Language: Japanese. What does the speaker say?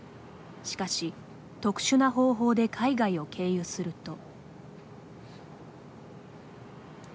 しかし特殊な方法で海外を経由すると。